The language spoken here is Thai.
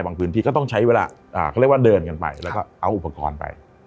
พื้นที่ก็ต้องใช้เวลาเขาเรียกว่าเดินกันไปแล้วก็เอาอุปกรณ์ไป